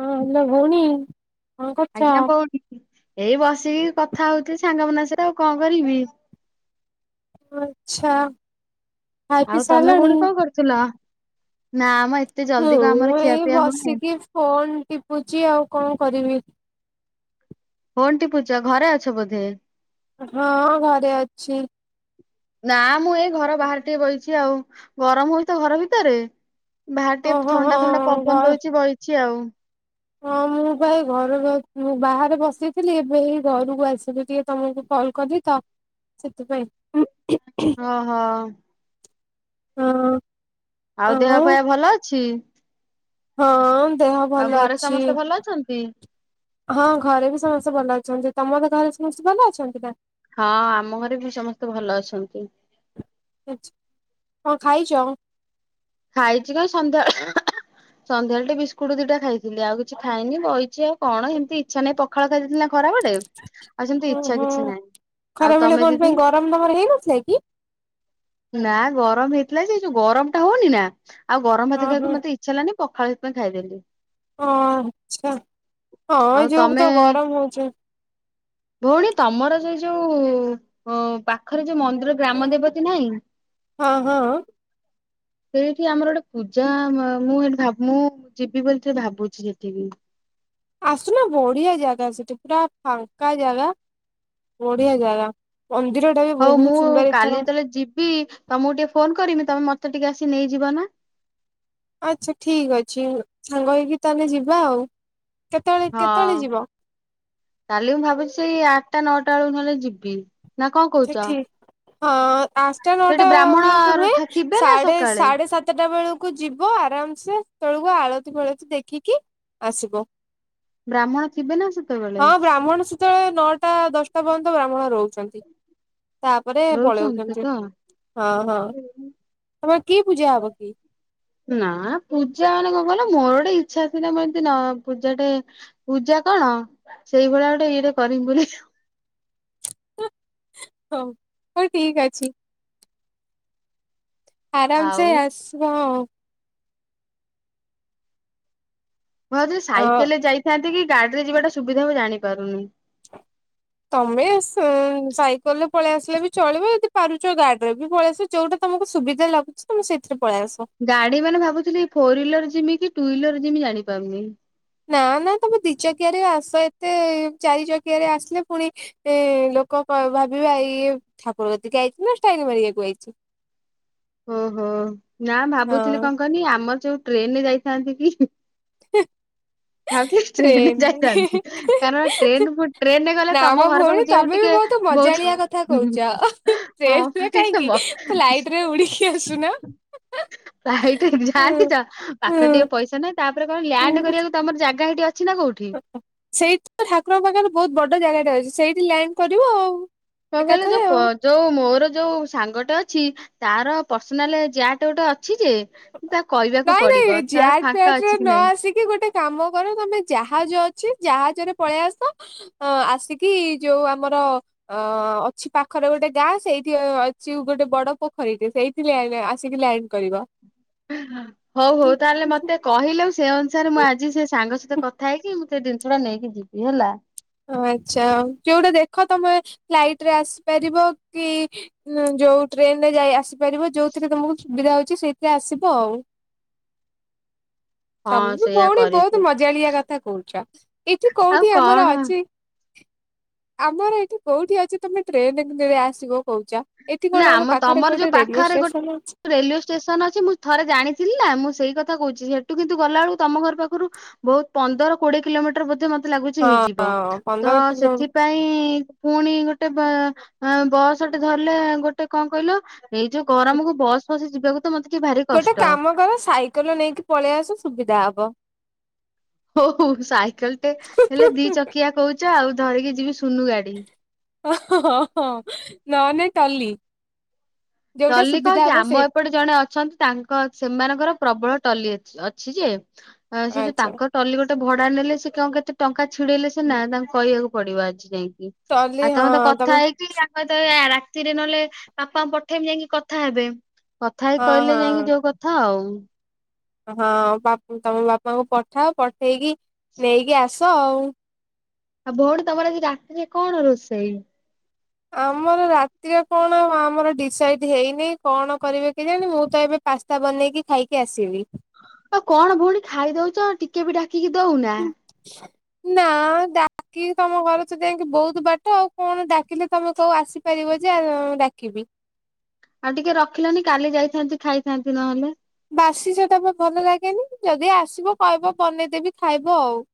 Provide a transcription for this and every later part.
ହଁ ହାଲୋ ଭୋଉଣୀ। ଆଜ୍ଞା କଉଠି ଏଇ ବସିକି କଥା ହୋଉଥିଲି ସାଙ୍ଗମାନଙ୍କ ସହିତ ଆଉ କଣ କରିବି। ଓ ଆଛା ଖାଇ ପିଇ ସାରିଲଣି? ଥୁଲ ନା ଆମଏ। ହୁଁ ମୁଁ ଏଇ ବସିକି ଫୋନ ଟିପୁଚି ଆଉ କଣ କରିବି। ଫୋନ୍ ଟିପୁଚ ଘରେ ଅଛ ବୋଧେ। ହଁ ଘରେ ଅଛି। ନା ମୁଁ ଏଇ ଘର ବାହାରେ ଟିକେ ବଇଚି ଆଉ ଗରମ ହୋଉଚି ତ ଘର ଭିତରେ। ବାହାରେ ଟିକେ ଓହୋ ଥଣ୍ଡା ଥଣ୍ଡା ହଁ ଘ ପବନ ଦଉଚି ବଇଚି ଆଉ। ହଁ ମୁଁ। ମୁଁ ଏଇ ପା ଘରୁକୁ ମୁଁ ବାହାରେ ବସିଥିଲି ଏବେ ହେଇ ଘରକୁ ଆସିଲି ଟିକେ ତମକୁ କଲ୍ କଲି ତ। ସେଥିପାଇଁ ଉଁ ହେଁ ହେଁ। ହ ହ। ହୋ ହୋଉ। ଆଉ ଦେହ ପାଆ ଭଲ ଅଛି? ହଁ ଦେହ ଆଉ ଭଲ ଘରେ ଅଛି। ସମସ୍ତେ ଭଲ ଅଛନ୍ତି? ହଁ ଘରେ ବି ସମସ୍ତେ ଭଲ ଅଛନ୍ତି, ତମର ଘରେ ସମସ୍ତେ ଭଲ ଅଛନ୍ତି ନା? ହଁ ଆମ ଘରେ ବି ସମସ୍ତେ ଭଲ ଅଛନ୍ତି। [unintelligible] କଣ ଖାଇଛ? ଖାଇଛି କାଇଁ ସନ୍ଧ୍ୟାବେଳେ ସନ୍ଧ୍ୟାାଳେ ଟିକେବିସ୍କୁଟ ଦିଟା ଖାଇଥିଲି ଆଉ କିଛି ଖାଇନି ବଇ କିଛି ଆଉ କଣ ହେ ମତି ଇଚଛା ନାହିଁ ପଖାଳ ଖାଇ ଦେଇ ଥିଲି ନା ଖରାବେଳେ। ଆଉ ସେମିତି ଇଚ୍ଛା ଓହୋ କିଛି ନାହିଁ, ଖରା ଆଉ ବେଳେ ତମେ କଣ ଦିଦି? ପାଇଁ ଗରମ ତମର ହେଇନଥିଲା କି? ନା ଗରମ ହେଇଥିଲା ଯେ ଯୋଉ ଗରମ ଟା ହଉନି ନା ଆଉ ଗରମ ହଁ ଭାତ ହଁ। ଖାଇବାକୁ ମତେ ଇ ଇଚ୍ଛା ହେଲାନି ପଖାଳ ସେଥିପାଇ ଖାଇଦେଲି। ହଁ ଆଚ୍ଛା ହଁ ଆଉ ଏ ଯୋଉ ତମେ ତ ଗରମ ହଉଛି। ଭଉଣୀ ତମର ସେଇ ଯୋଉ ଅ ପାଖରେ ଯୋଉ ମନ୍ଦିର ଗ୍ରାମ ଦେବତୀ ନାହିଁ। ହଁ ହଁ। ସେଇଠି ଆମର ଗୋଟେ ପୂଜା ମ ମୁଁ ହେଇଠି ମୁଁ ଯିବି ବୋଲି ସେ ଭାବୁଛି ସେଠି। ଆସୁନା ବଢିଆ ଜାଗା ସେଠି ପୁରା ଫାଙ୍କା ଜାଗା ବଢିଆ ଜାଗା। ମନ୍ଦିରଟା ବି ହଉ ବହୁତ ମୁଁ ସୁନ୍ଦର କାଲି ଏଥର ଯେତଲେ ଯିବି ତମକୁ ଟିକେ ଫୋନ କରମି ତମେ ମତେ ଟିକେ ଆସି ନେଇଯିବ ନା। ଆଚ୍ଛା ଠିକ ଅଛି ସାଙ୍ଗ ହେଇକି ତାହେଲେ ଯିବା ଆଉ। କେତେବେଳେ ହଁ କେତେବେଳେ ଯିବ? କାଲି ମୁଁ ଭାବୁଛି ସେଇ ଆଠଟା ନଅଟା ବେଳକୁ ନହଲେ ଯିବି। ନା କଣ କହୁଛ? ସେଠି ହଁ ଆଶଟା ନଅଟା ସେଠି ବ୍ରାହ୍ମଣ ବେଳକୁ ନୁହେ ଥିବେ ନା ସାଢ଼େ ସକାଳେ ସାଢେ ସାତଟା ବେଳକୁ। କୁ ଯିବ ଆରାମ ସେ ହେତଳକୁ ଆଳତି ଫଳତି ଦେଖିକି ଆସିବ। ବ୍ରାହ୍ମଣ ଥିବେ ନା ହଁ ସେତେବେଳେକୁ ଗଲେ। ବ୍ରାହ୍ମଣ ସେତେବେଳେ ନଅଟା ଦଶଟା ପର୍ଯ୍ୟନ୍ତ ବ୍ରାହ୍ମଣ ରହୁଛନ୍ତି। ତାପରେ ରହୁଛନ୍ତି ପଳଉଚନ୍ତି, ତ? ହଁ ହଁ। ତମର କି ପୂଜା ହବ କି? ନା ପୂଜା ମାନେ କଣ କହିଲ ମୋର ଗୋଟେ ଇଚ୍ଛା ଥିଲା ମୁ ଏମତି ପୂଜା ଟେ ପୂଜା କଣ ସେଇଭଳିଆ ଗୋଟେ ଇଏଟେ କରମି ବୋଲି। ହଁ ହଉ ଠିକ ଅଛି। ଆରାମ ଆଉ ସେ ମୁଁ ଆସିବ। ହଁ ଜେ ଅ ସାଇକେଲ ରେ ଯାଇଥାନ୍ତି କି ଗାଡିରେ ଯିବାଟା ସୁବିଧା ହ ମୁଁ ଜାଣିପାରୁନି। ତମେ ସ ସାଇକେଲ ରେ ପଳେଇ ଆସିଲେ ବି ଚଳିବ, ଯଦି ପାରୁଛ ଗାଡିରେ ବି ପଳେଇ ଆସି ଯୋଉଟା ତମକୁ ସୁବିଧା ଲାଗୁଛି ତମେ ସେଇଥିରେ ପଳେଇ ଆସ। ଗାଡି ମାନେ ଭାବୁଥିଲି ଫୋର ହିିଲର ଯିମି କି ଟୁ ହିିଲର ଜିମି ଜାଣିପାରୁନି। ନା ନା ତମେ ଦି ଚକିଆ ରେ ଆସ ଏତେ ଚାରି ଚକିଆରେ ଆସିଲେ ପୁଣି ଏ ଲୋକ କ ଭାବିବେ ଇଏ ଠାକୁର ଗତକି ଆଇଛି ନା ଷ୍ଟାଇଲ ମାରିବାକୁ ଆଇଛି। ଓହୋ ନା ଭାବୁଥିଲି ହଁ କଙ୍କନି ଆମର ଯୋଉ ଟ୍ରେନରେ ଯାଇଥାନ୍ତି କି। ହିଁ। ଭାବୁଥିଲି ଟ୍ରେନରେ ଟ୍ରେନ ଯାଇଥାନ୍ତି କାରଣ ଟ୍ରେନ ଫୁ ଟ୍ରେନରେ ଗଲେ ତମ ନାମ ଘର ପାଖକୁ ଭଉଣୀ ଯିବାକୁ ତମେ ବି ଟିକେ ବହୁତ ତୁ ମଜାଳିଆ କଥା କହୁଛ, ହଁ ଟ୍ରେନରେ ପା ଟିକେ କାହିଁକି ମ ଫ୍ଲାଇଟ ରେ ଉଡିକି କି ଆସୁନ। ଫ୍ଲାଇଟ ରେ ହୁଁ। ଯାଆନ୍ତିତ ପାଖରେ ହୁଁ ଟିକେ ପଇସା ନାହିଁ ତାପରେ କଣ ଲ୍ୟାଣ୍ଡ ହୁଁ। କରିବାକୁ ତମର ଜାଗା ହେଇଟି ଅଛି ନା କଉଠି? ସେଇଠି ତ ଠାକୁରଙ୍କ ପାଖରେ ବହୁତ ବଡ ଜାଗାଟେ ଅଛି ସେଇଠି ଲ୍ୟାଣ୍ଡ କରିବ ଆଉ। କଣ ଗଲେ ଯୋ ଏକାଥରେ ଆଉ ପଦ୍ ଯୋଉ ମୋର ଯୋଉ ସାଙ୍ଗଟେ ଅଛି ତାର ପର୍ସନାଲ ଜ୍ୟାଟ ଗୋଟେ ଅଛି ଯେ ତା କହିବାକୁ ପଡିବ ତାର ଫାଙ୍କା ଅଛି କି ନାଇଁ। କି ଗୋଟେ କାମ କର ତମେ ଜାହାଜ ଅଛି ଜାହାଜରେ ପଳେଇ ଆସ। ଅ ଆସିକି ଯୋଉ ଆମର ଅ ଅଛି ପାଖରେ ଗୋଟେ ଗାଁ ସେଇଠି ଅଛି ଗୋଟେ ବଡ ପୋଖରୀଟେ ସେଇ ଆସିକି ଲ୍ୟାଣ୍ଡ କରିବ। ହଉ ହଉ ତାହେଲେ ମତେ କହିଲେ ସେ ଅନୁସାରେ ମୁଁ ଆଜି ସେ ସାଙ୍ଗ ସହିତ କଥା ହେଇକି ସେ ଜିନିଷଟା ନେଇକି ଯିବି ହେଲା। ଓ ଆଚ୍ଛା ଯୋଉଟା ଦେଖ ତମେ ଫ୍ଲାଇଟରେ ଆସିପାରିବ କି ହଁ ଯୋଉ ଟ୍ରେନରେ ଯାଇ ଆସିପାରିବ ଯୋଉଥିରେ ତମକୁ ସୁବିଧା ହଉଛି ସେଇଥିରେ ଆସିବ ଆଉ। ତମେ ହଁ ବି ସେଇଆ ଭଉଣୀ ବହୁତୁ କରିବୁ। ମଜାଳିଆ କଥା କହୁଚ। ଏଠି ଆଉ କୋଉଠି ଆମର କଣ ଅଛି ଆମର ଏଠି କୋଉଠି ଅଛି ତମେ ଟ୍ରେନ [unintelligible] ଆସିବ କହୁଚ। ଏଠି ନା କଣ ଆମ ପାଖରେ ତମର ଯୋଉ ଗୋଟେ ରେଡ଼ିଓ ପାଖରେ ଗୋଟେ ଷ୍ଟେସନ ଅଛି। ରେଲୱେ ଷ୍ଟେସନ ଅଛି। ମୁଁ ଥରେ ଜାଣିଥିଲି‌ ନା ମୁଁ ସେଇ କଥା କହୁଚି ସେଠୁ କିନ୍ତୁ ଗଲାବେଳକୁ ତମ ଘର ପାଖରୁ ବହୁତ୍ ପନ୍ଦର କୋଡିଏ କିଲୋମିଟର ବୋଧେ ମତେ ଲାଗୁଛି ହେଇଯିବ। ହଁ ତ ପନ୍ଦର କିଲୋ ସେଥିପାଇଁ ପୁଣି ପୁଣି ଗୋଟେ ବା ବା ବସ୍ ଗଟେ ଧରିଲେ ଗୋଟେ କଣ କଇଲ। ଏଇ ଯୋଉ ଗରମକୁ ବସ ଫସିି ଯିବାକୁ ତ ମୋତେ ଟିକେ ଭାରି ଗୋଟେ କଷ୍ଟ। କାମ କର ସାଇକେଲ ନେଇକି ପଳେଇ ଆସ ସୁବିଧା ହବ। ହୋଉ ହୋଉ ସାଇକେଲଟେ ହେଲେ ଦି ଚକିଆ କହୁଚ ଆଉ ଧରିକି ଯିବି ସୁନୁ ଗାଡି। ହଁ ହଁ ନହନେ ଟଲି। ଯୋଉଟା ଟଲି ସୁବିଧା [unintelligible] ହବ ଆମ ସେଇଠି ଏପଟେ ଜଣେ ଅଛନ୍ତି। ତାଙ୍କ ସେମାନଙ୍କର ପ୍ରବଳ ଟଲି ଅଛି ଅଛି ଯେ। ସେ ଯୋଉ ଆଚ୍ଛା। ତାଙ୍କ ଟଲି ଗୋଟେ ଭଡା ନେଲେ ସେ କଣ କେତେ ଟଙ୍କା ଛିଡେଇଲେ ସିନା ତାଙ୍କୁ କହିବାକୁ ପଡିବ ଆଜି ଯାଇକି। ଟଲି ଆଉ [unintelligible] ତ ହଁ ତମେ କଥା ହେଇକି [unintelligible] ତ ଏ ରାତିରେ ନହେଲେ ବାପା ପଠେଇମି ଯାଇକି କଥା ହେବେ। କଥା ହେଇ ହଁ ହଁ କହିଲେ ଯାଇକିଁ ଯୋଉ କଥା ଆଉ। ହଁ ବା ତମ ବାପାଙ୍କୁ ପଠାଅ ପଠେଇକି ନେଇକି ଆସ ଆଉ। ଆଉ ଭଉଣୀ ତମର ଆଜି ରାତିରେ କଣ ରୋଷେଇ? ଆମର ରାତିରେ କଣ ଆମର ଡିସାଇଡ ହେଇନି କଣ କରିବେ କି ଜାଣି ମୁଁ ତ ଏବେ ପାସ୍ତା ବନେଇକି ଖାଇକି ଆସିଲି। ତ କଣ ଭଉଣୀ ଖାଇ ଦଉଚ ଟିକେ ବି ଡାକିକି ଦଉନା। ନା ଡାକ୍ କି ତମ ଘର ତ ଯାଇଁକି ବହୁତୁ ବାଟ ଆଉ କଣ ଡାକିଲେ ତମେ କଉ ଆସିପାରିବ ଯେ ଆ ଡାକିବି। ଆଉ ଟିକେ ରଖିଲନି କାଲି ଯାଇଥାନ୍ତି ଖାଇଥାନ୍ତି ନହେଲେ। ବାସି ସେଟା ଭଲ ଲାଗେନି ଯଦି ଆସିବ କହିବ ବନେଇଦେବି ଖାଇବ ଆଉ।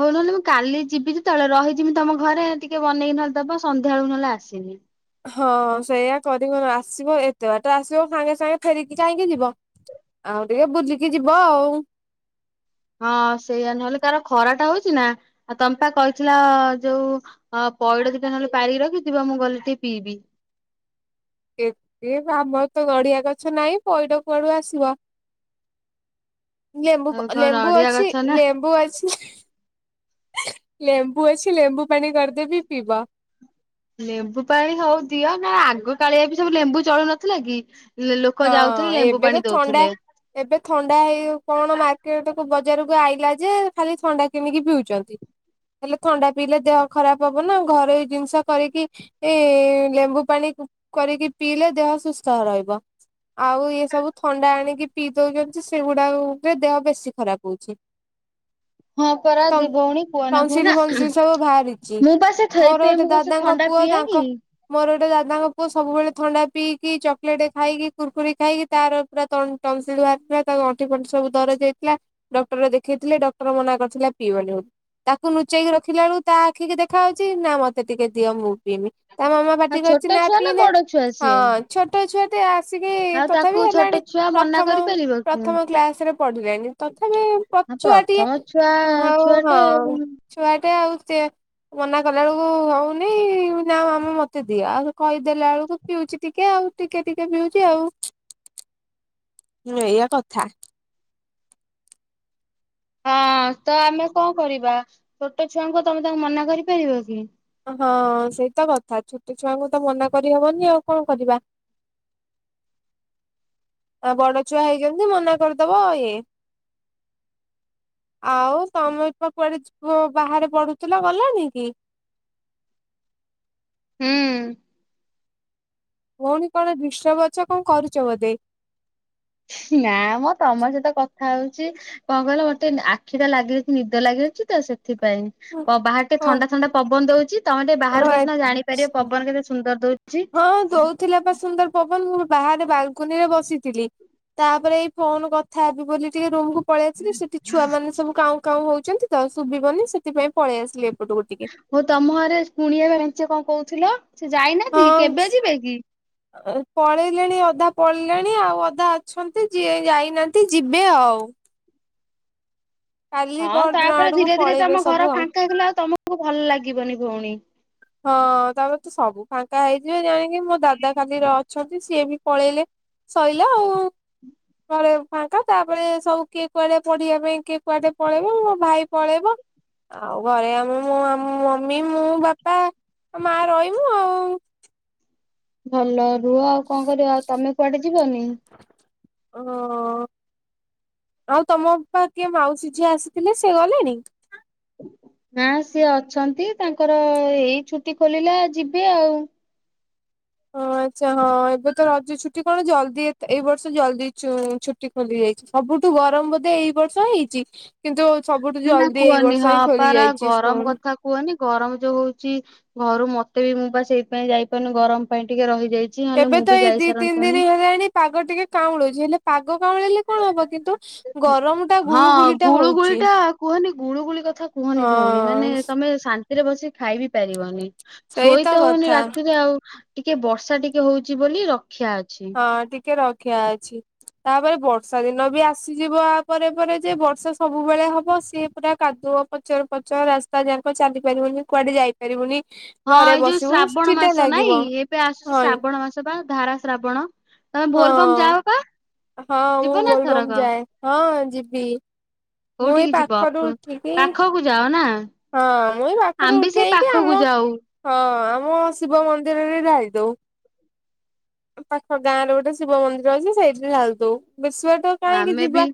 ହୋଉ ନହେଲେ ମୁଁ କାଲି ଯିବି ଯେତେବେଳେ ରହିଯିମି ତମ ଘରେ ଟିକେ ବନେଇକି ନହେଲେ ଦେବ ସନ୍ଧ୍ୟା ବେଳକୁ ନହେଲେ ଆସିବି। ହଁ ସେଇୟଆା କରିବ ଆସିବ ଏତେ ବାଟା ଆସିବ ସାଙ୍ଗେ ସାଙ୍ଗେ ଫେରିକି କାଇହିଁକି ଯିବ। ଆଉ ଟିକେ ବୁଲିକି ଯିବ ଆଉ। ହଁ ସେଇଆ ନହେଲେ ତାର ଖରାଟା ହଉଚି ନା। ଆଉ ତମ୍ପା କହିଥିଲା ଯୋଉ ଅଁ ପଇଡ ଦିଟା ନହେଲେ ପାରିକି ରଖି ଥିବ ମୁଁ ଗଲି ଟିକେ ପିଇବି। ଏତେ ଆମର ତ ନଡିଆ ଗଛ ନାଇଁ ପଇଡ କୁଆଡୁ ଆସିବ। ଇଏ ମୁଁ ଆଉ ପ କଣ ଲେମ୍ବୁ ନଡିଆ ଅଛି ଗଛ ନା ଲେମ୍ବୁ ଅଛି? ଲେମ୍ବୁ ଅଛି ଲେମ୍ବୁ ପାଣି କରିଦେବି ପିଇବ। ଲେମ୍ବୁ ପାଣି ହଉ ଦିଅ ନା ଆଗ କାଳିଆ ବି ସବୁ ଲେମ୍ବୁ ଚଳୁନଥିଲା କି ହଁ ଲୋକ ଯାଉଥିଲେ ଲେମ୍ବୁ ଏବେ ତ ପାଣି ଥଣ୍ଡା ଦଉଥିଲେ। ଏବେ ଥଣ୍ଡା ହେଇ କଣ ମା କେ ତାକୁ ବଜାରକୁ ଆଇଲା ଯେ ଖାଲି ଥଣ୍ଡା କିଣିକି ପିଉଛନ୍ତି ହେଲେ ଥଣ୍ଡା ପିଇଲେ ଦେହ ଖରାପ ହବ ନା ଘରେଇ ଜିନିଷ କରିକି ଏ ଲେମ୍ବୁ ପାଣି କରିକି ପିଇଲେ ଦେହ ସୁସ୍ଥ ରହିବ ଆଉ ଇଏ ସବୁ ଥଣ୍ଡା ଆଣିକି ପିଇ ଦଉଛନ୍ତି ସେଗୁଡା ରେ ଦେହ ବେଶୀ ଖରାପ ହଁ ପରା ଦି [unintelligible] ଭଉଣୀ କୁହନା ତଂସିଲ କୁହନା ଫଂସିଲ ସବୁ ବାହାରିଛି ମୁଁ ବା ସେ ମୋର ଥଇପାଇଁ ଗୋଟେ ମୁଁ ଦାଦା କଣ ସେ ଦାଦାଙ୍କ ଥଣ୍ଡା ପୁଅ ପିଏ କି? ତାଙ୍କ ମୋର ଗୋଟେ ଦାଦାଙ୍କ ପୁଅ ସବୁବେଳେ ଥଣ୍ଡା ପିଇକି ଚକୋଲେଟ ଖାଇକି କୁୁରକୁରି ଖାଇକି ତାର ପୁରା ଟନ ଟନସିଲ ବାହାରିଥିଲା ତାର ଅଣ୍ଠି ଫଣ୍ଠି ସବୁ ଦରଜ ହେଇଥିଲା ଡକ୍ଟର ଦେଖେଇଥିଲେ ଡକ୍ଟର ମନା କରିଥିଲା ପିଇବନି ତାକୁ ଲୁଚେଇକି ରଖିଲା ବେଳକୁ ତା ଆଖି କି ଦେଖା ହେଉଛି ନା ମତେ ଟିକେ ଦିଅ ମୁଁ ପିଇମି ତା ମାମା ପାଟି ଆଉ କରଛି ଛୋଟ ନା ଛୁଆ ପିଇନା ବଡ ଛୁଆ ହଁ ସିଏ ଛୋଟ ଛୁଆ ମତେ ଆସିକି ଆଉ ତାକୁ ତଥାପି ଛୋଟ ହେଲାଣି ଛୁଆ ମନା ପ୍ରଥମ କରିପାରିବ କି? ପ୍ରଥମ କ୍ଲାସ ରେ ପଢିଲେଣି ତଥାପି ହଁ ଛୁଆଟିଏ ପ୍ରଥମ ଛୁଆ ଆଉ ହଁ ଛୁଆ ଟେ ଆଉ ମନା କଲା ବେଳକୁ ହଉନି ନା ମମି ମତେ ଦିଅ ଆଉ କହିଦେଲା ବେଳକୁ ପିଉଛି ଟିକେ ଆଉ ଟିକେ ଟିକେ ପିଉଛି ଆଉ ହୁଁ ଏଇଆ କଥା ହଁ ତ ଆମେ କଣ କରିବା ଛୋଟ ଛୁଆଙ୍କୁ ତମେ ତାଙ୍କୁ ମନା କରିପାରିବ କି ହଁ ସେଇତ କଥା ଛୋଟ ଛୁଆଙ୍କୁ ତ ମନା କରିହବନି ଆଉ କଣ କରିବା ଆ ବଡ ଛୁଆ ହେଇଛନ୍ତି ମନା କରିଦବ ଇଏ ଆଉ ତମ ପା କୁଆଡେ ଯ ବାହାରେ ପଡୁଥିଲା ଗଲାନି କି ହୁଁ ଭଉଣୀ କଣ ଦିଷ୍ଟର୍ବ ଅଛ କଣ କରୁଛ ବୋଧେ ନା ମ ତମ ସହିତ କଥା ହଉଛି କଣ କହିଲ ଗୋଟେ ଆଖି ଟା ଲାଗିଯାଇଛି ନିଦ ଲାଗି ରଛି ତ ସେଥିପାଇଁ ବାହାର ଟେ ଓ ଥଣ୍ଡା ଥଣ୍ଡା ପବନ ଦଉଛି ତମେ ଟିକେ ବାହାରକୁ ଆସୁନ ଜାଣିପାରିବ ଓ ପବନ କେତେ ସୁନ୍ଦର ଦଉଛି ହଁ ଦଉଥିଲା ବା ସୁନ୍ଦର ପବନ ମୁଁ ବାହାରେ ବାଲକୁନି ରେ ବସିଥିଲି ତାପରେ ଏଇ ଫୋନ କଥା ହେବି ବୋଲି ଟିକେ ରୁମ୍ କୁ ପଳେଇ ଆସିଲି ସେଠି ଛୁଆ ମାନେ ସବୁ କାଉଁ କାଉଁ ହଉଛନ୍ତି ତ ଶୁଭିବନି ସେଥିପାଇଁ ପଳେଇ ଆସିଲି ଏପଟକୁ ଟିକେ ହଁ ତମ ଘରେ ପୁଣିଆ ମେଞ୍ଚେ କଣ କହୁଥିଲ ସେ ଯାଇନାହାନ୍ତି କି ହଁ କେବେ ଯିବେ କି ପଳେଇଲେଣି ଅଧା ପଳେଇଲେଣି ଆଉ ଅଧା ଅଛନ୍ତି ଯିଏ ଯାଇନାହାନ୍ତି ଯିବେ ଆଉ କାଲି ହଁ ପରଦିନ ତାପରେ ଆଡକୁ ଧୀରେ ଧୀରେ ପଳେଇବେ ତମ ସବୁ ଘର ଆଉ। ଫାଙ୍କାହେଲେ ଆଉ ତମକୁ ଭଲ ଲାଗିବନି ଭଉଣୀ। ହଁ ତାପରେ ତ ସବୁ ଫାଙ୍କା ହେଇଯିବେ ଜାଣିକି ମୋ ଦାଦା ଖାଲି ରଛି ଅଛନ୍ତି ସିଏ ବି ପଳେଇଲେ ସଇଲା ଆଉ ଘରେ ଫାଙ୍କା ତାପରେ ସବୁ କିଏ କୁଆଡେ ପଢିବା ପାଇଁ କିଏ କୁଆଡେ ପଳେଇବ ମୋ ଭାଇ ପଳେଇବ ଆଉ ଘରେ ଆମେ ମୋ ମମି ମୁଁ ବାପା ଆଉ ମା ରହିବୁ ଆଉ ଭଲ ରୁହ ଆଉ କଣ କରିବ ଆଉ ତମେ କୁଆଡେ ଯିବନି ଓ ଆଉ ତମପା କିଏ ମାଉସୀ ଝିଅ ଆସିଥିଲେ ସେ ଗଲେଣି। ନା ସିଏ ଅଛନ୍ତି ତାଙ୍କର ଏଇ ଛୁଟି ଖୋଲିଲା ଯିବେ ଆଉ ଓ ଆଚ୍ଛା ହଁ ଏବେ ତ ରଜ ଛୁଟି କଣ ଜଲଦି ଏଇ ବର୍ଷ ଜଲଦି ଛୁ ଛୁଟି ଟୀ ଖୋଲିଯାଇଛି ସବୁଠୁ ଗରମ ବୋଧେ ଏଇ ବର୍ଷ ହେଇଛି। କିନ୍ତୁ ସବୁଠୁ ନା ନା ଜଲ୍ଦି ଏଇ କୁହନି ହଁ ବର୍ଷ ହିଁ ଖୋଲି ପାରା ଯାଇଛି ଗରମ ସ୍କୁଲ। କଥା କୁହନି ଗରମ ଯୋଉ ହଉଛି ଘରୁ ମତେ ବି ମୁଁ ବା ସେଇପାଇ ଯାଇପାରୁନି ଗରମ ପାଇଁ ଟିକେ ରହିଯାଇଛି। ନହେଲେ ଏବେ ମୁଁ ତ ବି ଏଇ ଯାଇ ଦି ତିନି ଦିନ ସାରନ୍ତାଣି। ହେଲାଣି ପାଗ ଟିକେ କାଉଁଳୁଛି ହେଲେ ପାଗ କାଉଁଳେଇଲେ ହଁ ଗୁଳି ଟା ହଉଛି ଗୁଳୁଗୁଳିଟା କୁହନି ଗୁଳୁଗୁଳି କଥା। କୁହନି ଭଉଣୀ ମାନେ ହଁ ତମେ ଶା ରାତିରେ ବସିିକି ଖାଇ ବିି ପାରିବନି ସେଇତ ଶୋଇତ ହଉନି କଥା ରାତିରେ ଆଉ ଟିକେ ବର୍ଷା ଟିକେ ହଉଛି ବୋଲି ରକ୍ଷା ଅଛି। ହଁ ଟିକେ ରକ୍ଷା ଅଛି। ତାପରେ ବର୍ଷା ଦିନ ବି ଆସିଯିବ ଆ ପରେ ପରେ ଯେ ବର୍ଷା ସବୁବେଳେ ହବ ସିଏ ପୁରା କାଦୁଅ। ପଚର ପଚର ରାସ୍ତା ଯାକ ଚାଲି ପାରିବନି କୁଆଡେ ଯାଇ ପାରିବୁନି। ହଁ ଏଇ ଯୋଉ ଶ୍ରାବଣ ମାସ ନାଇଁ ଏବେ ଆସୁଛି ହଁ ଶ୍ରାବଣ ମାସ। ଧାରା ଶ୍ରାବଣ ତମେ ବୋଲବମ୍ ହଁ। ଯାଅ। ପା ହଁ ମୁଁ ଯିବ ନା ବୋଲବମ୍ ଏଥରକ ଯାଏ ହଁ ଯିବି। ମୁଁ ଏଇ କୋଉଠିକି ଯିବ ପାଖରୁ ଉଠିକି ପାଖକୁ ଯାଅ ନା। ହଁ ମୁଁ ଏଇ ପାଖରୁ ଆମେ ବି ସେଇ ଉଠେଇକି ପାଖକୁ ଆମ ଯାଉ। ହଁ ଆମ ଶିବ ମନ୍ଦିରରେ ଢାଳି ଦଉ। ପାଖ ଗାଁରେ ଗୋଟେ ଶିବ ମନ୍ଦିର ଅଛି ସେଇଠି ଢାଳିଦଉ ବେଶୀ ବାଟ ତ କାହିଁକି ଆମେ ବି ଯିବା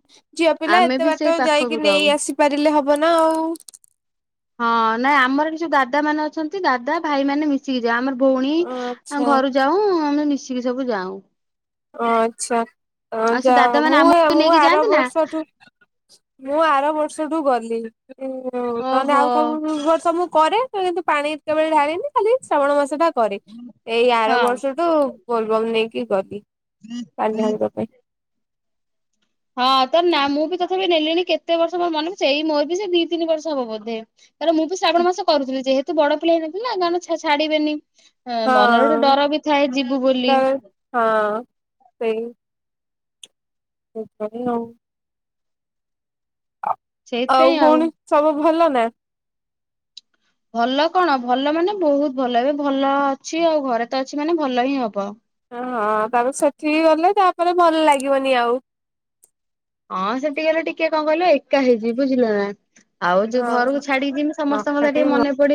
ଝିଅ ପିଲା ଆମେ ଏତେ ବି ସେଇ ବାଟ ପାଖକୁ ଯାଇକି ଯାଉ। ନେଇ ଆସିପାରିଲେ ହବ ନା ଆଉ। ହଁ ନାଇଁ ଆମର ଏଠି ଯୋଉ ଦାଦା ମାନେ ଅଛନ୍ତି ଦାଦା ଭାଇ ମାନେ ମିଶି ମିଶିକି ଯାଉ ଆମର ଭଉଣୀ ଆଚ୍ଛା। ଘରୁ ଯାଉ ଆମେ ମିଶିକି ସବୁ ଯାଉ। ଓ ଆଛା ଆଉ ସେ ଯେ ଦାଦା ମାନେ ମୁଁ ଆମକୁ ମୁଁ ନେଇକି ଯାଆନ୍ତି ଆର ନା ବର୍ଷଠୁ ମୁଁ ଆର ବର୍ଷଠୁ ଗଲି। ଓ ତାହେଲେ ଓହୋ ଆଉ ସବୁବର୍ଷ କରେ ତ କିନ୍ତୁ ପାଣି କେବେ ଢାଳିିନି। ଖାଲି ଶ୍ରାବଣ ମାସଟା କରେ ଏଇ ଆର ହଁ। ବର୍ଷଠୁ ବୋଲବମ୍ ନେଇକି ଗଲି। ପାଣି ଢାଳିବା ପାଇ ହଁ ତ ନା ମୁଁ ବି ତଥାପି ନେଲିଣି କେତେ ବର୍ଷ ମୋର ମନେ ବି ସେଇ ମୋର ବି ସେ ଦି ତିନି ବର୍ଷ ହବ ବୋଧେ। ତ ମୁଁ ବି ଶ୍ରାବଣ ମାସ କରୁଥିଲି ଯେହେତୁ ବଡ ପିଲା ହେଇନଥିଲା ନା କଣ ଛାଡିବେନି। ହଁ ମନରେ ଗୋଟେ ଡର ବି ଥାଏ ଯିବୁ ବୋଲି। ବେଳେ ହଁ ସେଇ। [unintelligible] ଆ, ଆଉ ପୁଣି ସବୁ ଭଲ ନା? ଭଲ କଣ ଭଲ ମାନେ ବହୁତ ଭଲ ଏବେ ଭଲ ଅଛି ଆଉ ଘରେ ତ ଅଛି ମାନେ ଭଲ ହିଁ ହବ। ହଁ ତାପରେ ସେଠିକି ଗଲେ ତାପରେ ଭଲ ଲାଗିବନି ଆଉ ହଁ ସେଠି ଗଲେ ଟିକେ କଣ କହିଲ ଏକା ହେଇଯିବି ବୁଝିଲନା। ଆଉ ଯୋଉ ହଁ ଘରକୁ ଛାଡିକିମି ସମସ୍ତଙ୍କ କଥା ନକାଟି ଟିକେ ମନେ ପଡି